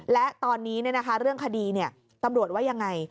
และตอนนี้เรื่องคดีตำรวจว่ายังไง